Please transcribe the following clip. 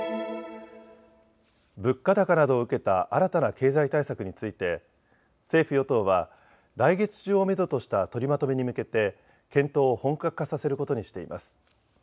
物価高などを受けた新たな経済対策について政府与党は来月中をめどとした取りまとめに向けて検討を本格化させることにしています。